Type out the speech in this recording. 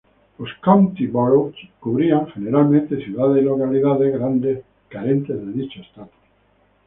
Los "county boroughs" cubrían generalmente ciudades y localidades grandes carentes de dicho estatus.